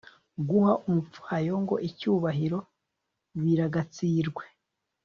guha umupfayongo icyubahiro ,biragatsirwe